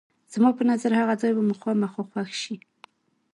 زما په نظر هغه ځای به مو خامخا خوښ شي.